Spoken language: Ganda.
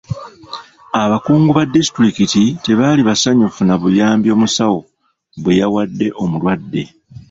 Abakungu ba disitulikiti tebaali basanyufu na buyambi omusawo bwe yawadde omulwadde.